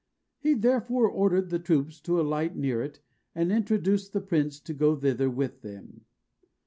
He therefore ordered the troops to alight near it, and induced the prince to go thither with him.